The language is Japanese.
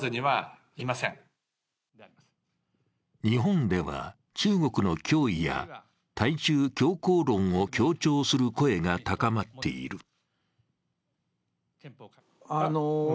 日本では中国の脅威や対中強硬論を強調する声が高まっている。